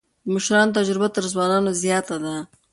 د مشرانو تجربه تر ځوانانو زياته ده.